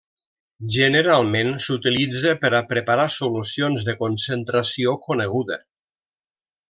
Generalment s'utilitza per a preparar solucions de concentració coneguda.